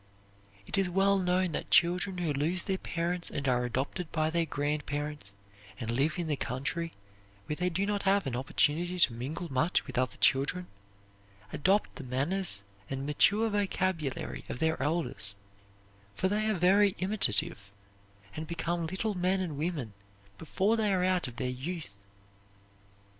It is well known that children who lose their parents and are adopted by their grandparents and live in the country, where they do not have an opportunity to mingle much with other children, adopt the manners and mature vocabulary of their elders, for they are very imitative, and become little men and women before they are out of their youth.